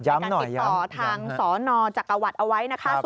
ในการติดต่อทางสนจักรวรรดิเอาไว้นะคะ